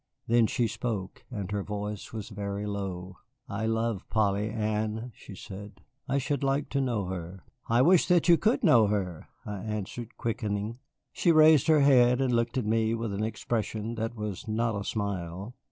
Then she spoke, and her voice was very low. "I love Polly Ann," she said; "I should like to know her." "I wish that you could know her," I answered, quickening. She raised her head, and looked at me with an expression that was not a smile.